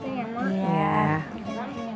siapin ya mak